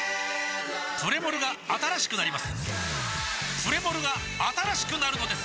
プレモルが新しくなるのです！